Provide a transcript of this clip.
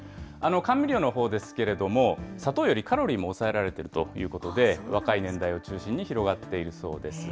甘味料のほうですけれども、砂糖よりカロリーも抑えられているということで、若い年代を中心に広がっているそうです。